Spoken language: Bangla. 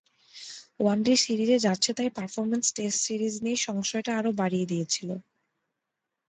ওয়ানডে সিরিজে যাচ্ছেতাই পারফরম্যান্স টেস্ট সিরিজ নিয়ে সংশয়টা আরও বাড়িয়ে দিয়েছিল।